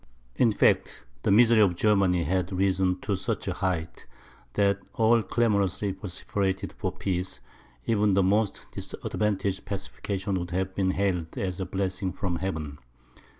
In fact, the misery of Germany had risen to such a height, that all clamorously vociferated for peace; and even the most disadvantageous pacification would have been hailed as a blessing from heaven.